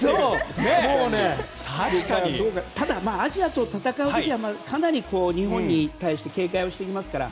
ただ、アジアと戦う時はかなり日本に対して警戒してきますから。